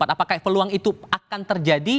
apakah peluang itu akan terjadi